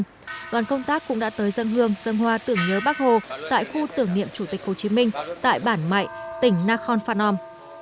đoàn công tác cũng đã tới dân hương dân hoa tưởng nhớ bắc hồ tại khu tưởng niệm chủ tịch hồ chí minh tại bản mại tỉnh nakhon phanom